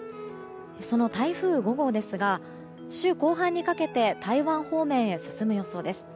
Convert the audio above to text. その台風５号ですが週後半にかけて台湾方面へ進む予想です。